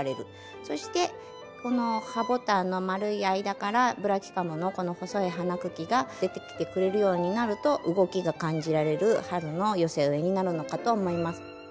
そしてこのハボタンの丸い間からブラキカムのこの細い花茎が出てきてくれるようになると動きが感じられる春の寄せ植えになるのかと思います。